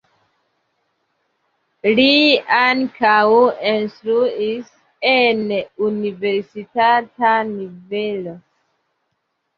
Li ankaŭ instruis en universitata nivelo.